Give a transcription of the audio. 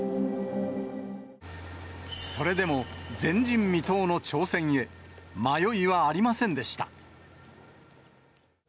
それでも前人未到の挑戦へ、迷いはありませんでした。